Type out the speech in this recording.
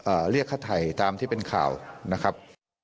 เอ่อเรียกขทัยตามที่เป็นข่าวนะครับ